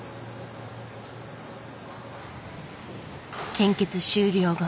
献血終了後。